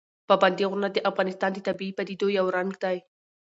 پابندي غرونه د افغانستان د طبیعي پدیدو یو رنګ دی.